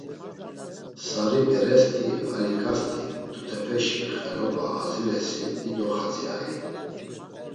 Sari beresti Aliǩasti mtutepeşi xeloba aziresi dido xadzi aey.